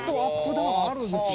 ダウンあるんですね。